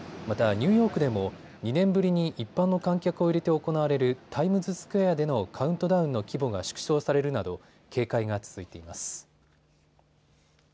また、ニューヨークでも２年ぶりに一般の観客を入れて行われるタイムズスクエアでのカウントダウンの規模が縮小されるなど警戒が続いています。